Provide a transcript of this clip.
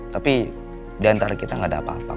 tapi diantara kita gak ada apa apa